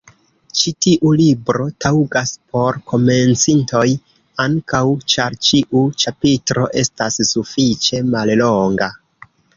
Ĉi tiu libro taŭgas por komencintoj ankaŭ ĉar ĉiu ĉapitro estas sufiĉe mallonga.